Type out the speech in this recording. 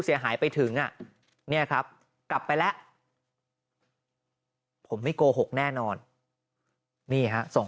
เสียหายไปถึงอ่ะเนี่ยครับกลับไปแล้วผมไม่โกหกแน่นอนนี่ฮะส่ง